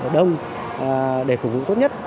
đông để phục vụ tốt nhất